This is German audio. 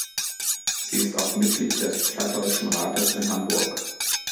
Sie ist auch Mitglied des „Plattdeutschen Rates“ in Hamburg.